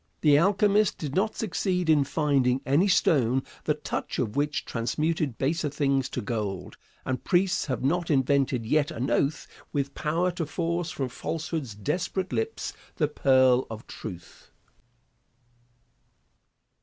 The alchemist did not succeed in finding any stone the touch of which transmuted baser things to gold; and priests have not invented yet an oath with power to force from falsehood's desperate lips the pearl of truth.